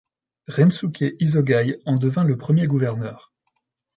Rensuke Isogai en devint le premier gouverneur.